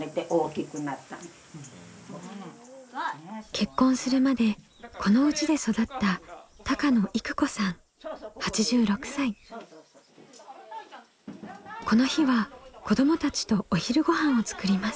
結婚するまでこの家で育ったこの日は子どもたちとお昼ごはんを作ります。